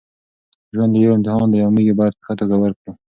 ژوند یو لوی امتحان دی او موږ یې باید په ښه توګه ورکړو.